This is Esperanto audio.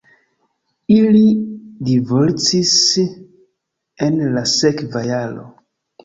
Ili divorcis en la sekva jaro.